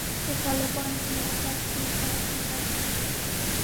د طالبانو په ملاتړ کې سره همغږي وو.